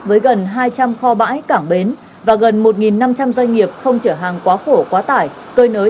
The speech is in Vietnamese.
với gần hai trăm linh kho bãi cảng bến và gần một năm trăm linh doanh nghiệp không chở hàng quá khổ quá tải cơi nới